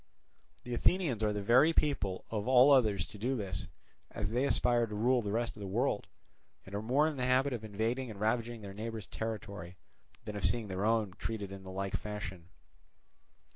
The Athenians are the very people of all others to do this, as they aspire to rule the rest of the world, and are more in the habit of invading and ravaging their neighbours' territory, than of seeing their own treated in the like fashion.